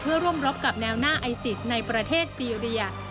เพื่อร่วมรบกับแนวหน้าไอซิสในประเทศซีเรีย